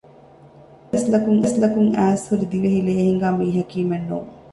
ދިވެހި ނަސްލަކުން އައިސްހުރި ދިވެހި ލޭހިނގާ މީހަކީމެއް ނޫން